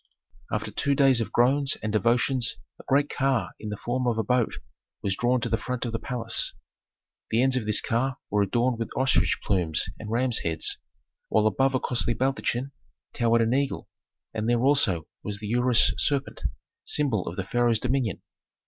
After two days of groans and devotions a great car in the form of a boat was drawn to the front of the palace. The ends of this car were adorned with ostrich plumes and rams' heads, while above a costly baldachin towered an eagle, and there also was the ureus serpent, symbol of the pharaoh's dominion.